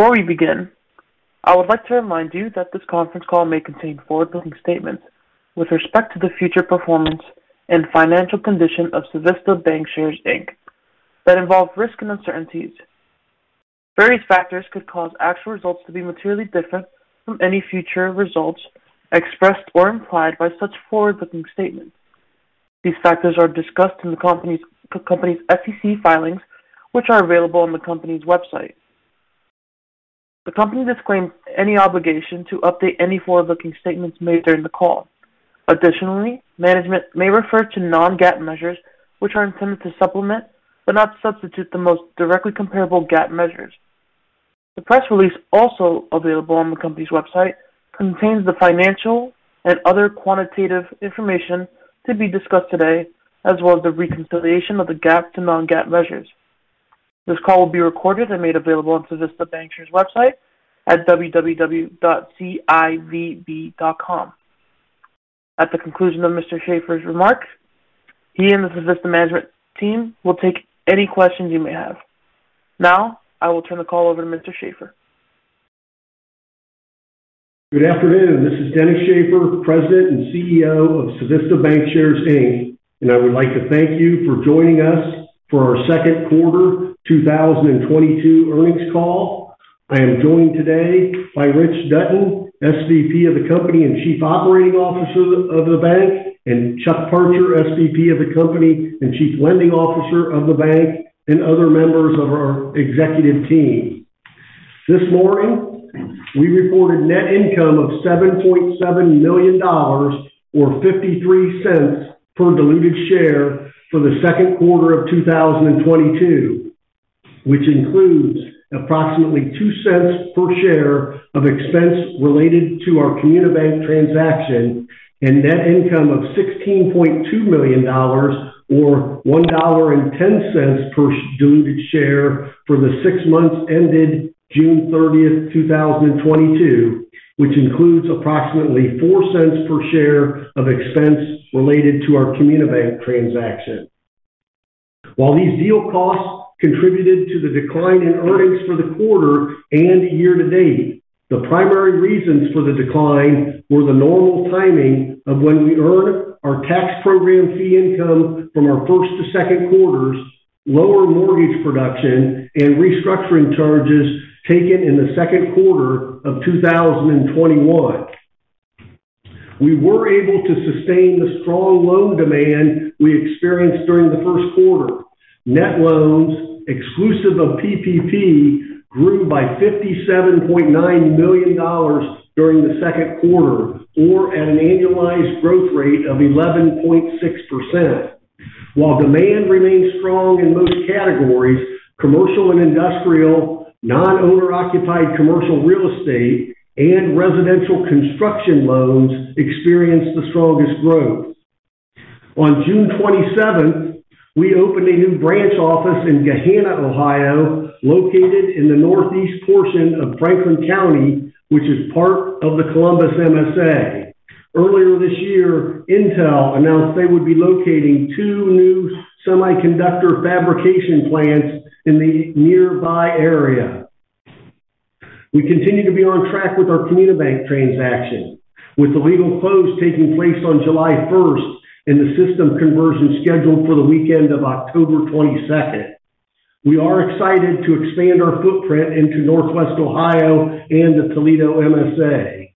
Before we begin, I would like to remind you that this conference call may contain forward-looking statements with respect to the future performance and financial condition of Civista Bancshares, Inc. that involve risks and uncertainties. Various factors could cause actual results to be materially different from any future results expressed or implied by such forward-looking statements. These factors are discussed in the company's SEC filings, which are available on the company's website. The company disclaims any obligation to update any forward-looking statements made during the call. Additionally, management may refer to non-GAAP measures, which are intended to supplement but not substitute the most directly comparable GAAP measures. The press release, also available on the company's website, contains the financial and other quantitative information to be discussed today, as well as the reconciliation of the GAAP to non-GAAP measures. This call will be recorded and made available on Civista Bancshares' website at www.civb.com. At the conclusion of Mr. Shaffer's remarks, he and the Civista management team will take any questions you may have. Now, I will turn the call over to Mr. Shaffer. Good afternoon. This is Dennis G. Shaffer, President and CEO of Civista Bancshares, Inc. I would like to thank you for joining us for our second quarter 2022 earnings call. I am joined today by Richard Dutton, SVP of the company and Chief Operating Officer of the bank, and Chuck Parcher, SVP of the company and Chief Lending Officer of the bank, and other members of our executive team. This morning, we reported net income of $7.7 million or $0.53 per diluted share for the second quarter of 2022, which includes approximately $0.02 per share of expense related to our Comunibanc transaction, and net income of $16.2 million or $1.10 per diluted share for the six months ended June 30, 2022, which includes approximately $0.04 per share of expense related to our Comunibanc transaction. While these deal costs contributed to the decline in earnings for the quarter and year-to-date, the primary reasons for the decline were the normal timing of when we earn our tax program fee income from our first to second quarters, lower mortgage production, and restructuring charges taken in the second quarter of 2021. We were able to sustain the strong loan demand we experienced during the first quarter. Net loans exclusive of PPP grew by $57.9 million during the second quarter or at an annualized growth rate of 11.6%. While demand remains strong in most categories, commercial and industrial, non-owner occupied commercial real estate, and residential construction loans experienced the strongest growth. On June 27th, we opened a new branch office in Gahanna, Ohio, located in the northeast portion of Franklin County, which is part of the Columbus MSA. Earlier this year, Intel announced they would be locating two new semiconductor fabrication plants in the nearby area. We continue to be on track with our Comunibanc transaction, with the legal close taking place on July 1st and the system conversion scheduled for the weekend of October 22nd. We are excited to expand our footprint into Northwest Ohio and the Toledo MSA.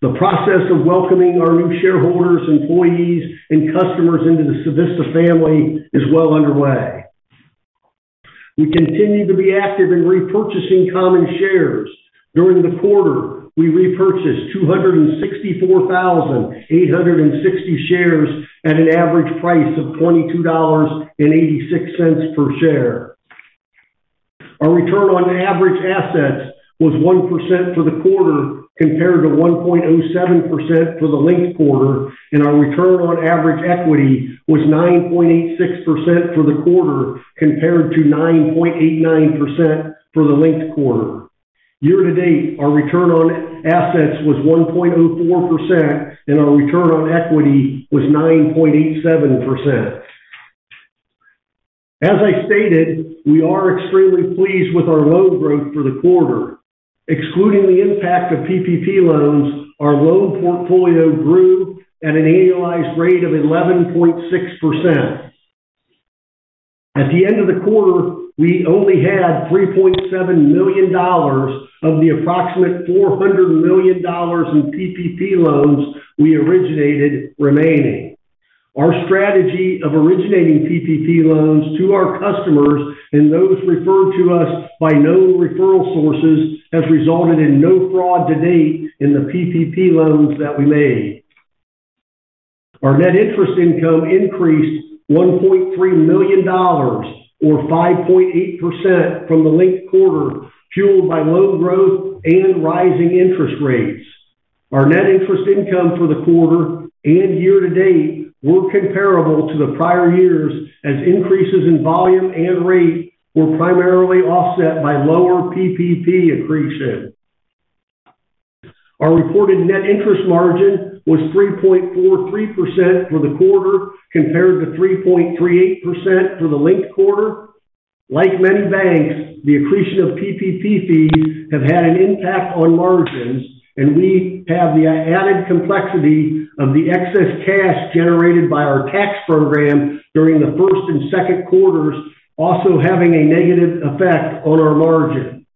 The process of welcoming our new shareholders, employees, and customers into the Civista family is well underway. We continue to be active in repurchasing common shares. During the quarter, we repurchased 264,860 shares at an average price of $22.86 per share. Our return on average assets was 1% for the quarter compared to 1.07% for the linked quarter, and our return on average equity was 9.86% for the quarter compared to 9.89% for the linked quarter. Year to date, our return on assets was 1.04%, and our return on equity was 9.87%. As I stated, we are extremely pleased with our loan growth for the quarter. Excluding the impact of PPP loans, our loan portfolio grew at an annualized rate of 11.6%. At the end of the quarter, we only had $3.7 million of the approximate $400 million in PPP loans we originated remaining. Our strategy of originating PPP loans to our customers and those referred to us by known referral sources has resulted in no fraud to date in the PPP loans that we made. Our net interest income increased $1.3 million or 5.8% from the linked quarter, fueled by loan growth and rising interest rates. Our net interest income for the quarter and year to date were comparable to the prior years as increases in volume and rate were primarily offset by lower PPP accretion. Our reported net interest margin was 3.43% for the quarter compared to 3.3% for the linked quarter. Like many banks, the accretion of PPP fees have had an impact on margins, and we have the added complexity of the excess cash generated by our tax program during the first and second quarters also having a negative effect on our margin.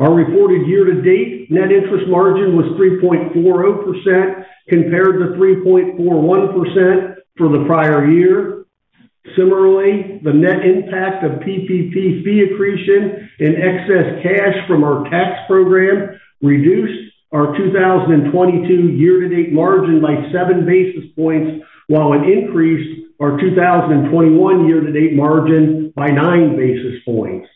Our reported year-to-date net interest margin was 3.40% compared to 3.41% for the prior year. Similarly, the net impact of PPP fee accretion and excess cash from our tax program reduced our 2022 year-to-date margin by 7 basis points, while it increased our 2021 year-to-date margin by 9 basis points.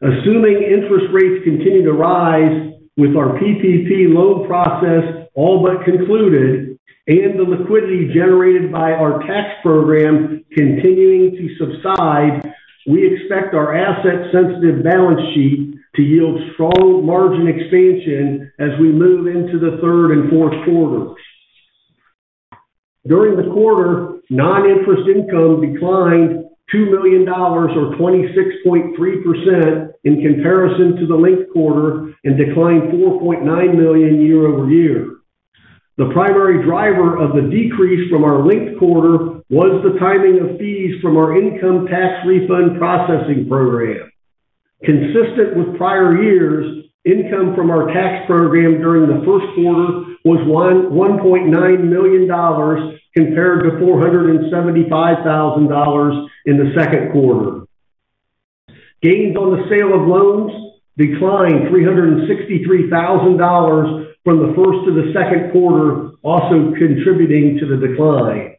Assuming interest rates continue to rise with our PPP loan process all but concluded and the liquidity generated by our tax program continuing to subside, we expect our asset-sensitive balance sheet to yield strong margin expansion as we move into the third and fourth quarters. During the quarter, non-interest income declined $2 million or 26.3% in comparison to the linked quarter and declined $4.9 million year-over-year. The primary driver of the decrease from our linked quarter was the timing of fees from our income tax refund processing program. Consistent with prior years, income from our tax program during the first quarter was $1.9 million compared to $475,000 in the second quarter. Gains on the sale of loans declined $363,000 from the first to the second quarter, also contributing to the decline.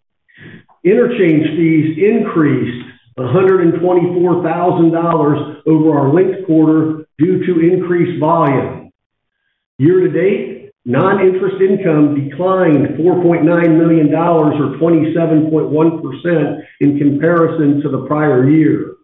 Interchange fees increased $124,000 over our linked quarter due to increased volume. Year to date, non-interest income declined $4.9 million or 27.1% in comparison to the prior year.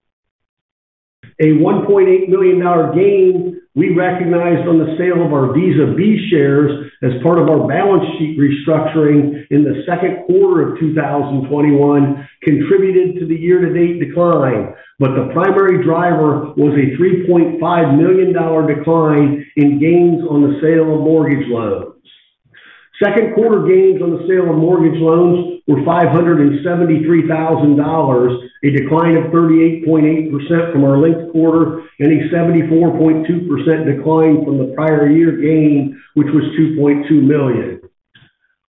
A $1.8 million gain we recognized on the sale of our Visa Class B shares as part of our balance sheet restructuring in the second quarter of 2021 contributed to the year-to-date decline, but the primary driver was a $3.5 million decline in gains on the sale of mortgage loans. Second quarter gains on the sale of mortgage loans were $573,000, a decline of 38.8% from our linked quarter and a 74.2% decline from the prior year gain, which was $2.2 million.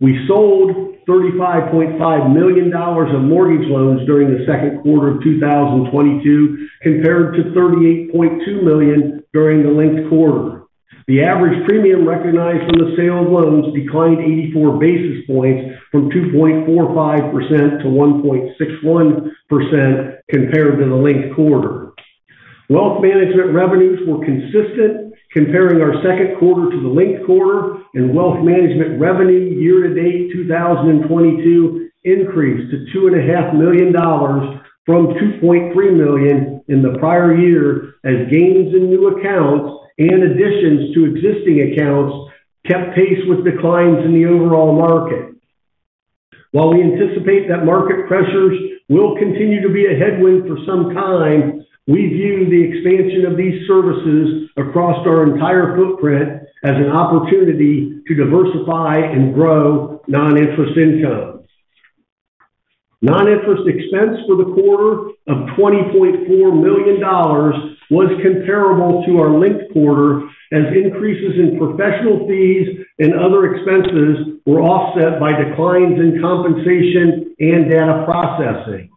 We sold $35.5 million of mortgage loans during the second quarter of 2022, compared to $38.2 million during the linked quarter. The average premium recognized from the sale of loans declined 84 basis points from 2.45%-1.61% compared to the linked quarter. Wealth management revenues were consistent comparing our second quarter to the linked quarter and wealth management revenue year-to-date 2022 increased to $2.5 million from $2.3 million in the prior year as gains in new accounts and additions to existing accounts kept pace with declines in the overall market. While we anticipate that market pressures will continue to be a headwind for some time, we view the expansion of these services across our entire footprint as an opportunity to diversify and grow non-interest income. Non-interest expense for the quarter of $20.4 million was comparable to our linked quarter as increases in professional fees and other expenses were offset by declines in compensation and data processing.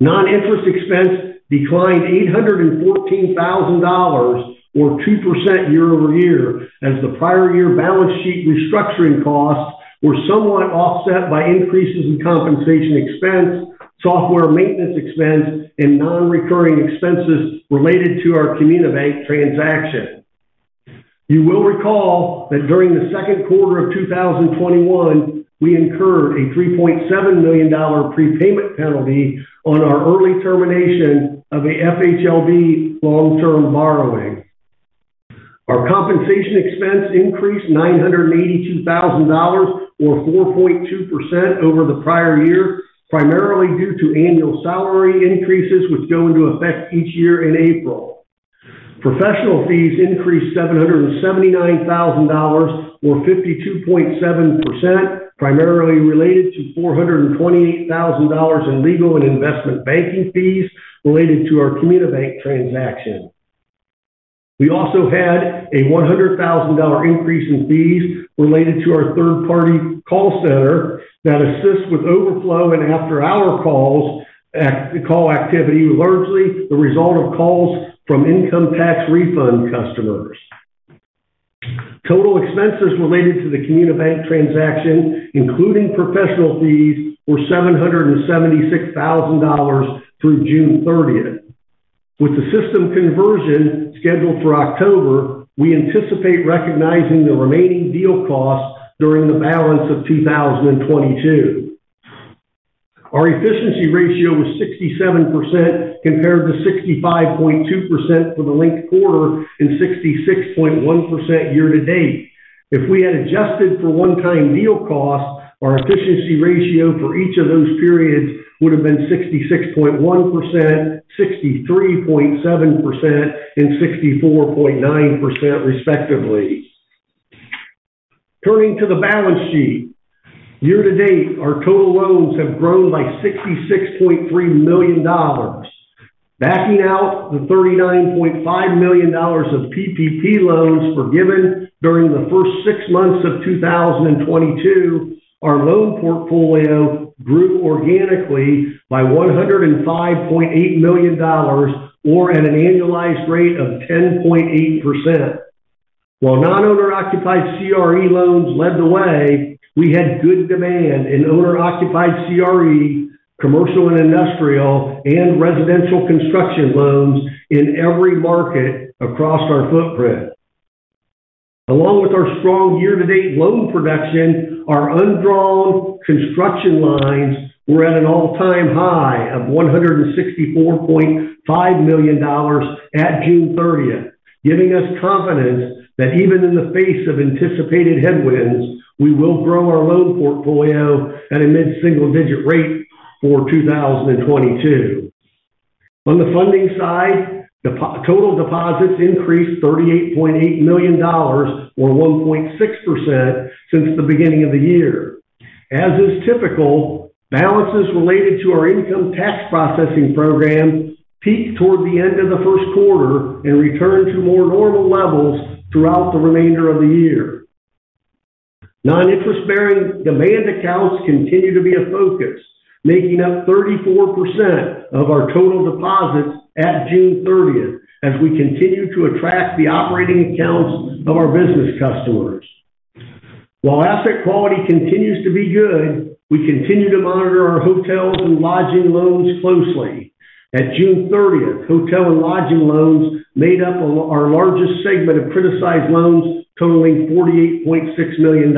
Non-interest expense declined $814,000 or 2% year-over-year as the prior year balance sheet restructuring costs were somewhat offset by increases in compensation expense, software maintenance expense, and non-recurring expenses related to our Comunibanc transaction. You will recall that during the second quarter of 2021, we incurred a $3.7 million prepayment penalty on our early termination of a FHLB long-term borrowing. Our compensation expense increased $982,000 or 4.2% over the prior year, primarily due to annual salary increases which go into effect each year in April. Professional fees increased $779,000 or 52.7%, primarily related to $428,000 in legal and investment banking fees related to our Comunibanc transaction. We also had a $100,000 increase in fees related to our third-party call center that assists with overflow and after-hour call activity, largely the result of calls from income tax refund customers. Total expenses related to the Comunibanc transaction, including professional fees, were $776,000 through June 30th. With the system conversion scheduled for October, we anticipate recognizing the remaining deal costs during the balance of 2022. Our efficiency ratio was 67% compared to 65.2% for the linked quarter and 66.1% year to date. If we had adjusted for one-time deal costs, our efficiency ratio for each of those periods would have been 66.1%, 63.7%, and 64.9% respectively. Turning to the balance sheet. Year to date, our total loans have grown by $66.3 million. Backing out the $39.5 million of PPP loans forgiven during the first six months of 2022, our loan portfolio grew organically by $105.8 million, or at an annualized rate of 10.8%. While non-owner-occupied CRE loans led the way, we had good demand in owner-occupied CRE, commercial and industrial, and residential construction loans in every market across our footprint. Along with our strong year-to-date loan production, our undrawn construction lines were at an all-time high of $164.5 million at June 30th, giving us confidence that even in the face of anticipated headwinds, we will grow our loan portfolio at a mid-single-digit rate for 2022. On the funding side, total deposits increased $38.8 million, or 1.6% since the beginning of the year. As is typical, balances related to our income tax processing program peaked toward the end of the first quarter and returned to more normal levels throughout the remainder of the year. Non-interest-bearing demand accounts continue to be a focus, making up 34% of our total deposits at June 30th as we continue to attract the operating accounts of our business customers. While asset quality continues to be good, we continue to monitor our hotels and lodging loans closely. At June 30th, hotel and lodging loans made up our largest segment of criticized loans, totaling $48.6 million.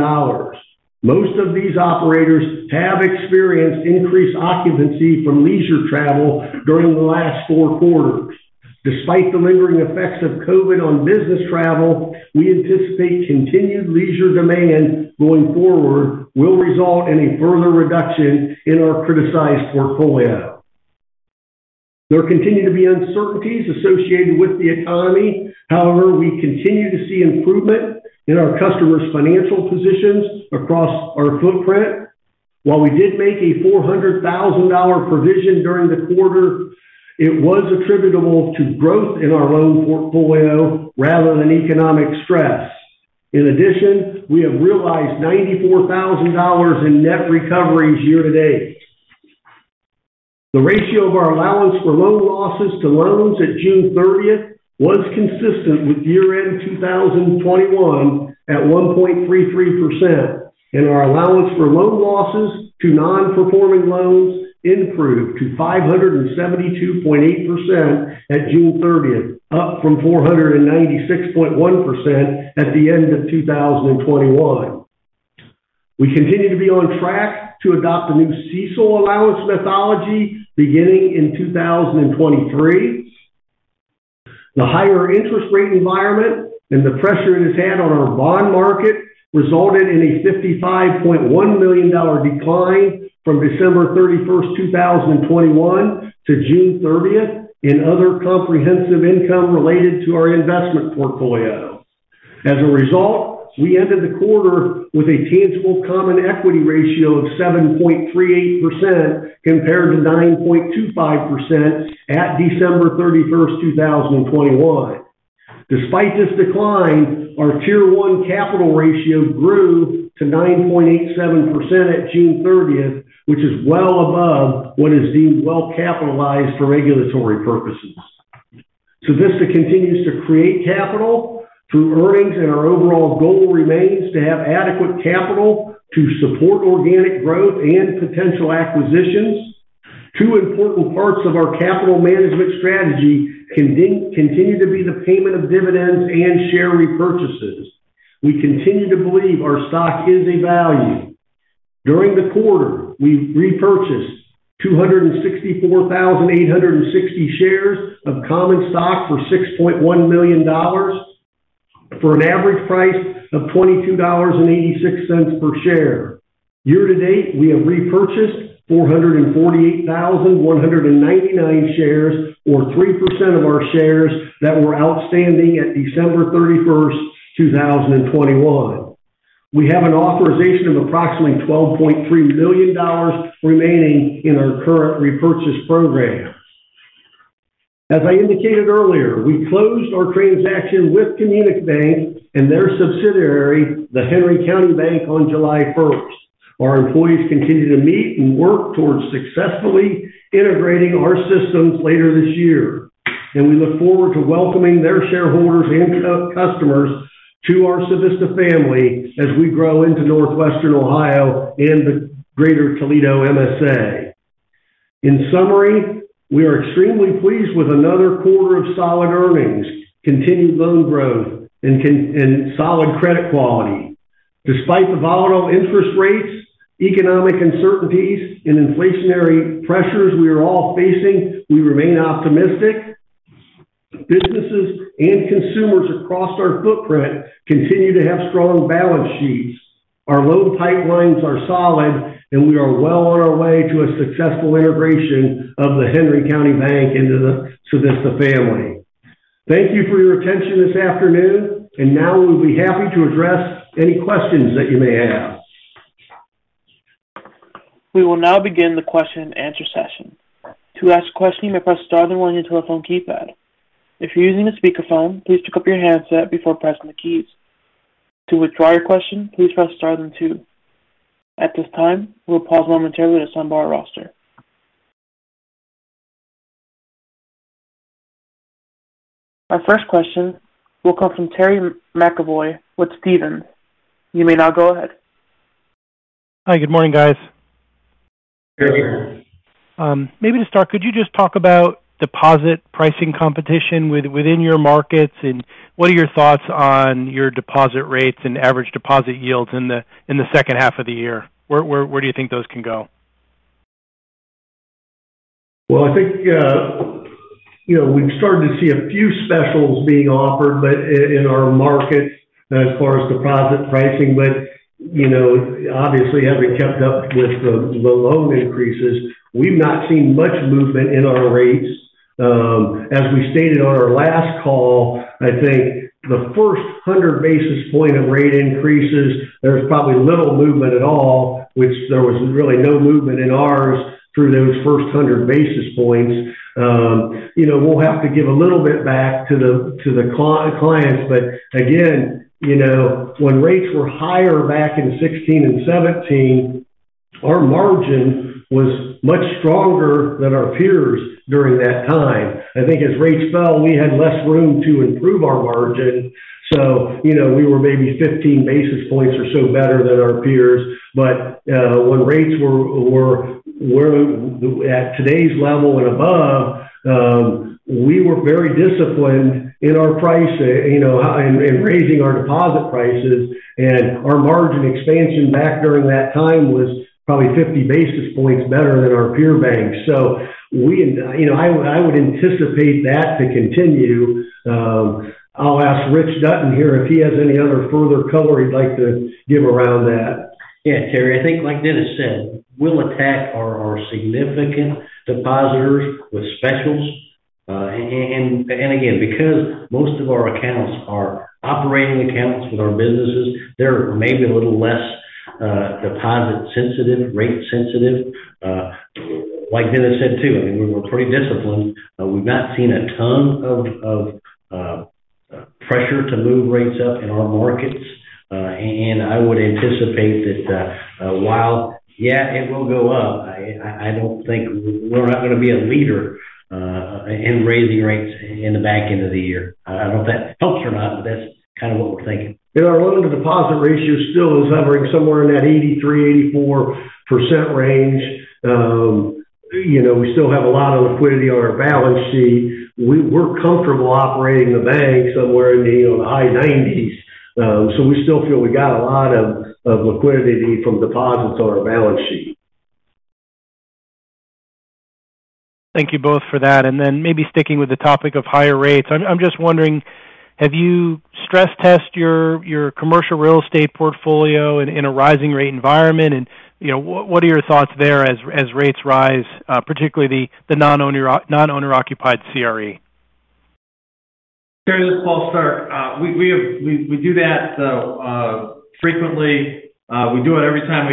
Most of these operators have experienced increased occupancy from leisure travel during the last four quarters. Despite the lingering effects of COVID on business travel, we anticipate continued leisure demand going forward will result in a further reduction in our criticized portfolio. There continue to be uncertainties associated with the economy. However, we continue to see improvement in our customers' financial positions across our footprint. While we did make a $400,000 provision during the quarter, it was attributable to growth in our loan portfolio rather than economic stress. In addition, we have realized $94,000 in net recoveries year to date. The ratio of our allowance for loan losses to loans at June 30th was consistent with year-end 2021 at 1.33%, and our allowance for loan losses to non-performing loans improved to 572.8% at June 30th, up from 496.1% at the end of 2021. We continue to be on track to adopt a new CECL allowance methodology beginning in 2023. The higher interest rate environment and the pressure it has had on our bond market resulted in a $55.1 million decline from December 31st, 2021 to June 30th in other comprehensive income related to our investment portfolio. As a result, we ended the quarter with a tangible common equity ratio of 7.38% compared to 9.25% at December 31st, 2021. Despite this decline, our Tier 1 capital ratio grew to 9.87% at June 30th, which is well above what is deemed well-capitalized for regulatory purposes. Civista continues to create capital through earnings, and our overall goal remains to have adequate capital to support organic growth and potential acquisitions. Two important parts of our capital management strategy continue to be the payment of dividends and share repurchases. We continue to believe our stock is a value. During the quarter, we repurchased 264,800 shares of common stock for $6.1 million for an average price of $22.86 per share. Year to date, we have repurchased 448,199 shares or 3% of our shares that were outstanding at December 31st, 2021. We have an authorization of approximately $12.3 million remaining in our current repurchase program. As I indicated earlier, we closed our transaction with Comunibanc and their subsidiary, the Henry County Bank, on July 1st. Our employees continue to meet and work towards successfully integrating our systems later this year, and we look forward to welcoming their shareholders and customers to our Civista family as we grow into Northwestern Ohio and the Greater Toledo MSA. In summary, we are extremely pleased with another quarter of solid earnings, continued loan growth and solid credit quality. Despite the volatile interest rates, economic uncertainties and inflationary pressures we are all facing, we remain optimistic. Businesses and consumers across our footprint continue to have strong balance sheets. Our loan pipelines are solid, and we are well on our way to a successful integration of The Henry County Bank into the Civista family. Thank you for your attention this afternoon, and now we'll be happy to address any questions that you may have. We will now begin the question and answer session. To ask a question, you may press star then one on your telephone keypad. If you're using a speakerphone, please pick up your handset before pressing the keys. To withdraw your question, please press star then two. At this time, we'll pause momentarily to assemble our roster. Our first question will come from Terry McEvoy with Stephens. You may now go ahead. Hi. Good morning, guys. Good morning. Maybe to start, could you just talk about deposit pricing competition within your markets? What are your thoughts on your deposit rates and average deposit yields in the second half of the year? Where do you think those can go? Well, I think, you know, we've started to see a few specials being offered, but in our markets as far as deposit pricing. You know, obviously having kept up with the loan increases, we've not seen much movement in our rates. As we stated on our last call, I think the first 100 basis points of rate increases, there's probably little movement at all, which there was really no movement in ours through those first 100 basis points. You know, we'll have to give a little bit back to the clients. Again, you know, when rates were higher back in 2016 and 2017, our margin was much stronger than our peers during that time. I think as rates fell, we had less room to improve our margin. You know, we were maybe 15 basis points or so better than our peers. When rates were at today's level and above, we were very disciplined in our pricing, you know, in raising our deposit prices. Our margin expansion back during that time was probably 50 basis points better than our peer banks. You know, I would anticipate that to continue. I'll ask Richard Dutton here if he has any other further color he'd like to give around that. Yeah, Terry, I think like Dennis said, we'll attack our significant depositors with specials. And again, because most of our accounts are operating accounts with our businesses, they're maybe a little less deposit sensitive, rate sensitive. Like Dennis said too, I mean, we're pretty disciplined. We've not seen a ton of pressure to move rates up in our markets. And I would anticipate that while yeah, it will go up, I don't think we're not gonna be a leader in raising rates in the back end of the year. I don't know if that helps or not, but that's kind of what we're thinking. Our loan to deposit ratio still is hovering somewhere in that 83%-84% range. You know, we still have a lot of liquidity on our balance sheet. We're comfortable operating the bank somewhere in the, you know, the high 90s. So we still feel we got a lot of liquidity from deposits on our balance sheet. Thank you both for that. Maybe sticking with the topic of higher rates. I'm just wondering, have you stress test your commercial real estate portfolio in a rising rate environment? You know, what are your thoughts there as rates rise, particularly the non-owner occupied CRE? Terry, this is Paul Stark. We do that frequently. We do it every time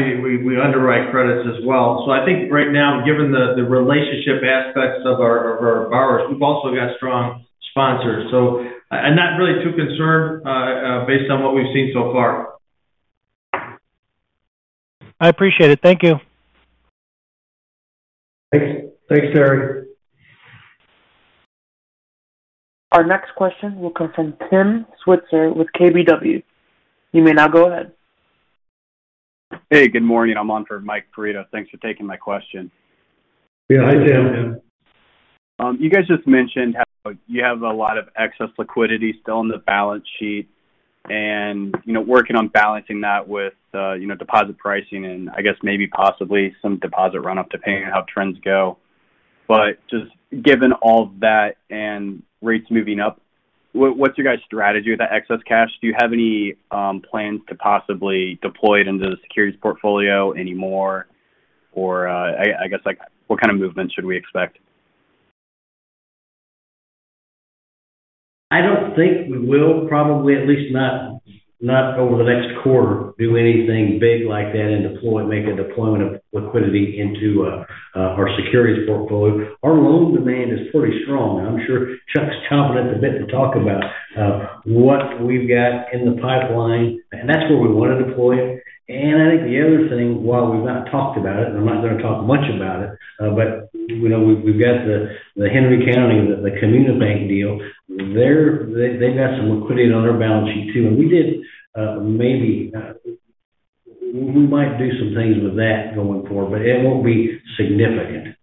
we underwrite credits as well. I think right now, given the relationship aspects of our borrowers, we've also got strong sponsors. I'm not really too concerned based on what we've seen so far. I appreciate it. Thank you. Thanks. Thanks, Terry. Our next question will come from Tim Switzer with KBW. You may now go ahead. Hey, good morning. I'm on for Michael Perito. Thanks for taking my question. Yeah. Hi, Tim. You guys just mentioned how you have a lot of excess liquidity still on the balance sheet and, you know, working on balancing that with, you know, deposit pricing and I guess maybe possibly some deposit run up, depending on how trends go. But just given all that and rates moving up, what's your guys' strategy with that excess cash? Do you have any plans to possibly deploy it into the securities portfolio anymore? Or, I guess, like what kind of movement should we expect? I don't think we will probably, at least not over the next quarter, do anything big like that and make a deployment of liquidity into our securities portfolio. Our loan demand is pretty strong. I'm sure Chuck's chomping at the bit to talk about what we've got in the pipeline, and that's where we want to deploy it. I think the other thing, while we've not talked about it, and I'm not going to talk much about it, but you know, we've got the Henry County, the Comunibanc deal. They've got some liquidity on their balance sheet too. We did maybe We might do some things with that going forward, but it won't be significant.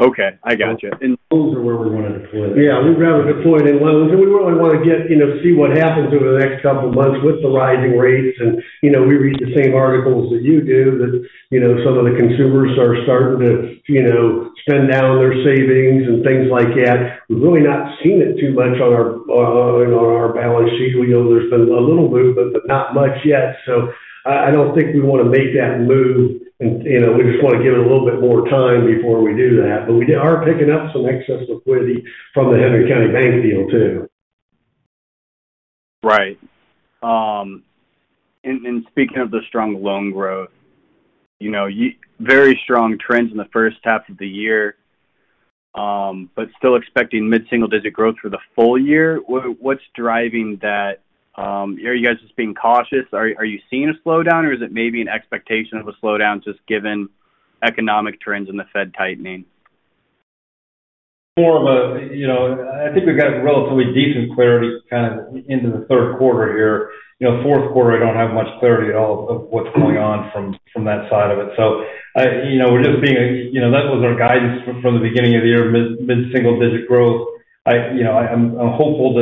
Okay, I got you. Loans are where we want to deploy that. Yeah, we'd rather deploy it in loans. We really want to get, you know, see what happens over the next couple of months with the rising rates. You know, we read the same articles that you do that, you know, some of the consumers are starting to, you know, spend down their savings and things like that. We've really not seen it too much on our balance sheet. We know there's been a little movement, but not much yet. I don't think we want to make that move. You know, we just want to give it a little bit more time before we do that. We are picking up some excess liquidity from the Henry County Bank deal too. Right. Speaking of the strong loan growth, you know, very strong trends in the first half of the year, but still expecting mid-single digit growth for the full year. What's driving that? Are you guys just being cautious? Are you seeing a slowdown or is it maybe an expectation of a slowdown just given economic trends and the Fed tightening? More of a, you know, I think we've got relatively decent clarity kind of into the third quarter here. You know, fourth quarter, I don't have much clarity at all of what's going on from that side of it. You know, we're just being, you know, that was our guidance from the beginning of the year, mid-single digit growth. You know, I'm hopeful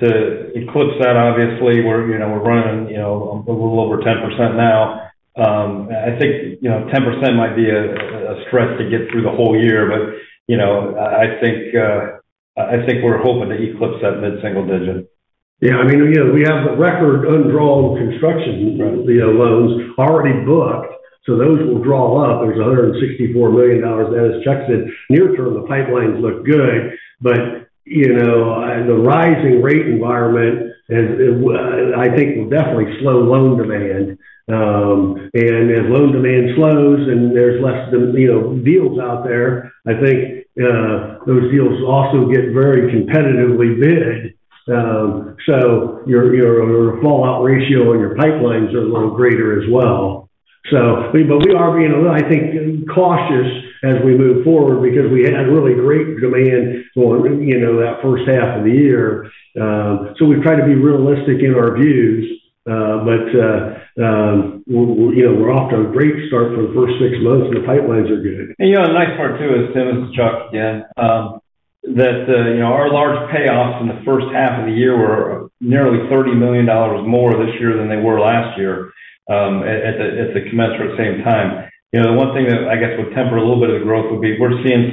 to eclipse that, obviously, we're running a little over 10% now. I think 10% might be a stress to get through the whole year. You know, I think we're hoping to eclipse that mid-single digit. Yeah. I mean, you know, we have record undrawn construction loans already booked, so those will draw up. There's $164 million that has checks in. Near-term, the pipelines look good. You know, the rising rate environment is, I think will definitely slow loan demand. As loan demand slows and there's less you know, deals out there, I think, those deals also get very competitively bid. Your fallout ratio on your pipelines are a little greater as well. We are being, I think, cautious as we move forward because we had really great demand on, you know, that first half of the year. We've tried to be realistic in our views. You know, we're off to a great start for the first six months, and the pipelines are good. You know, the nice part too is, Tim, this is Chuck again, that, you know, our large payoffs in the first half of the year were nearly $30 million more this year than they were last year, at the corresponding same time. You know, the one thing that I guess would temper a little bit of the growth would be we're seeing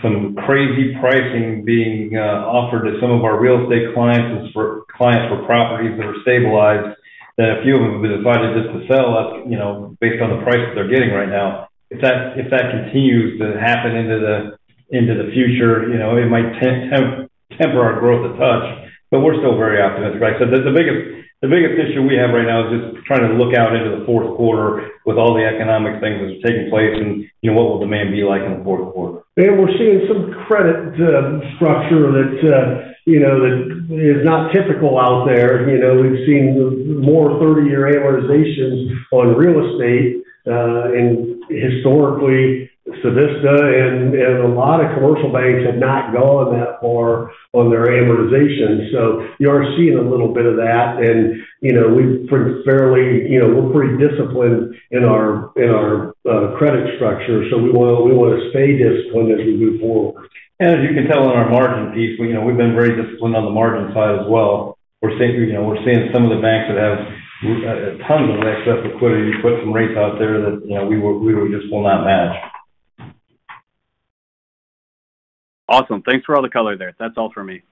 some crazy pricing being offered to some of our real estate clients. It's for clients for properties that are stabilized, that a few of them have been invited just to sell us, you know, based on the prices they're getting right now. If that continues to happen into the future, you know, it might temper our growth a touch, but we're still very optimistic. Like I said, the biggest issue we have right now is just trying to look out into the fourth quarter with all the economic things which are taking place and, you know, what will demand be like in the fourth quarter. We're seeing some credit structure that, you know, that is not typical out there. You know, we've seen more 30-year amortizations on real estate. Historically, Civista and a lot of commercial banks have not gone that far on their amortization. You are seeing a little bit of that. You know, we're pretty fairly, you know, we're pretty disciplined in our credit structure, so we wanna stay disciplined as we move forward. As you can tell on our margin piece, you know, we've been very disciplined on the margin side as well. We're seeing, you know, some of the banks that have tons of excess liquidity put some rates out there that, you know, we will just not match. Awesome. Thanks for all the color there. That's all for me.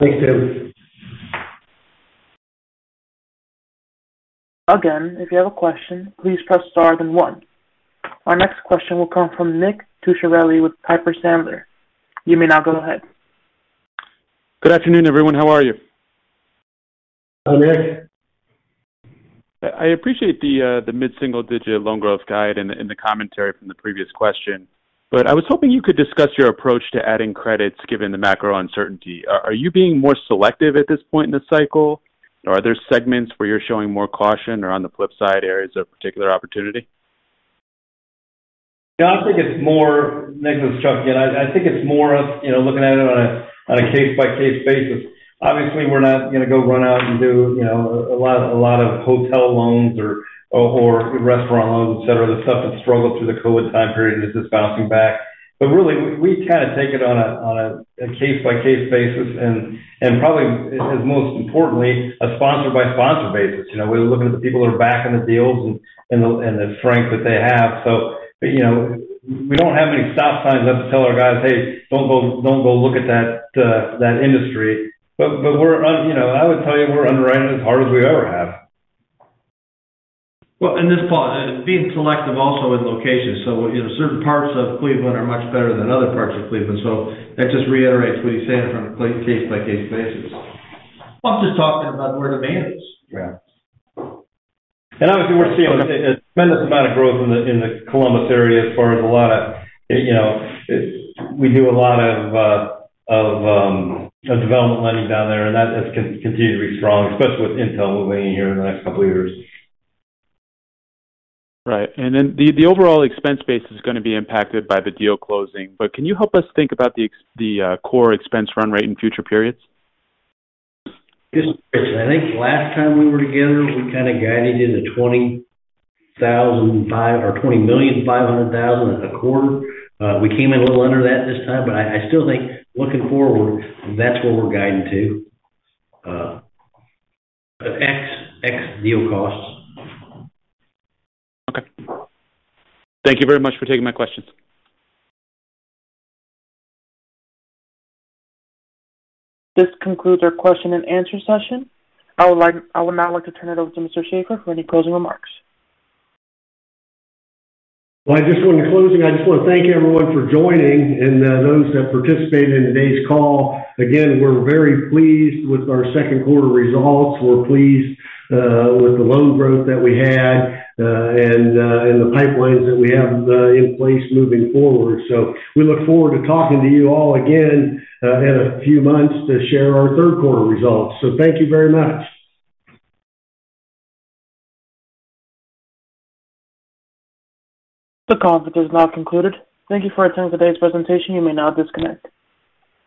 Thanks, Tim. Again, if you have a question, please press star then one. Our next question will come from Nick Ciccarelli with Piper Sandler. You may now go ahead. Good afternoon, everyone. How are you? Hi, Nick. I appreciate the mid-single digit loan growth guide and the commentary from the previous question. I was hoping you could discuss your approach to adding credits given the macro uncertainty. Are you being more selective at this point in the cycle? Are there segments where you're showing more caution or on the flip side, areas of particular opportunity? Yeah, I think it's more. Nick, this is Chuck again. I think it's more of, you know, looking at it on a case-by-case basis. Obviously, we're not gonna go run out and do, you know, a lot of hotel loans or restaurant loans, et cetera. The stuff that struggled through the COVID time period is just bouncing back. Really, we kind of take it on a case-by-case basis and probably as most importantly, a sponsor-by-sponsor basis. You know, we're looking at the people that are backing the deals and the strength that they have. You know, we don't have any stop signs up to tell our guys, "Hey, don't go, don't go look at that industry." you know, I would tell you we're underwriting as hard as we ever have. Well, being selective also with locations. You know, certain parts of Cleveland are much better than other parts of Cleveland. That just reiterates what he's saying from a case-by-case basis. Well, I'm just talking about where demand is. Yeah. Obviously, we're seeing a tremendous amount of growth in the Columbus area as far as a lot of, you know, we do a lot of development lending down there, and that has continued to be strong, especially with Intel moving in here in the next couple of years. Right. The overall expense base is gonna be impacted by the deal closing. Can you help us think about the core expense run rate in future periods? This is Chris. I think last time we were together, we kind of guided you to $20.5 million a quarter. We came in a little under that this time, but I still think looking forward, that's where we're guiding to. Ex deal costs. Okay. Thank you very much for taking my questions. This concludes our question and answer session. I would now like to turn it over to Mr. Shaffer for any closing remarks. Well, in closing, I just want to thank everyone for joining and those that participated in today's call. Again, we're very pleased with our second quarter results. We're pleased with the loan growth that we had and the pipelines that we have in place moving forward. We look forward to talking to you all again in a few months to share our third quarter results. Thank you very much. The conference is now concluded. Thank you for attending today's presentation. You may now disconnect.